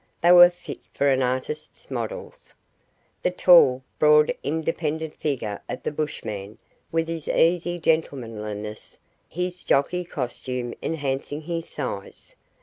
They were fit for an artist's models. The tall, broad, independent figure of the bushman with his easy gentlemanliness, his jockey costume enhancing his size.